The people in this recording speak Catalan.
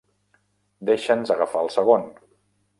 Deixa'ns agafar el segon.